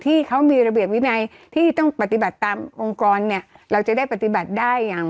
ที่เขามีระเบียบวินัยที่ต้องปฏิบัติตามองค์กรเนี่ยเราจะได้ปฏิบัติได้อย่าง